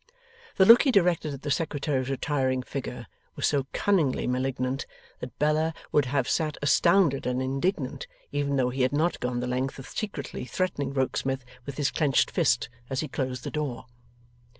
The look he directed at the Secretary's retiring figure was so cunningly malignant, that Bella would have sat astounded and indignant, even though he had not gone the length of secretly threatening Rokesmith with his clenched fist as he closed the door.